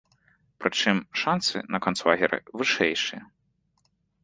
Прычым, шансы на канцлагеры вышэйшыя.